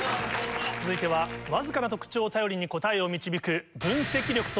続いてはわずかな特徴を頼りに答えを導く。